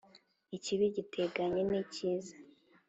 Ikibi giteganye n’icyiza,